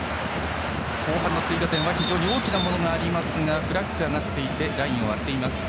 後半の追加点が非常に大きなものがありますがフラッグが上がっていてラインを割っています。